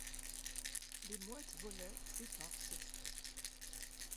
Les mouettes volaient, éparses.